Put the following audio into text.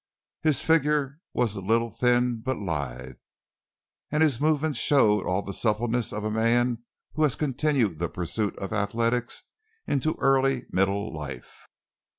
His figure was a little thin but lithe, and his movements showed all the suppleness of a man who has continued the pursuit of athletics into early middle life.